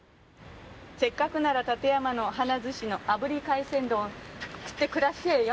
「せっかくなら館山の波奈寿司の炙り海鮮丼」「食ってくらしぇーよ」